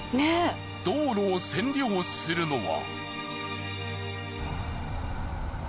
道路を占領するのは。